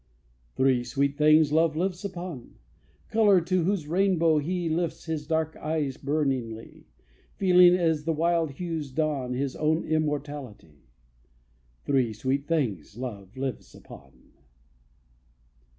Three sweet things love lives upon: Color, to whose rainbow he Lifts his dark eyes burningly; Feeling, as the wild hues dawn, His own immortality. Three sweet things love lives upon.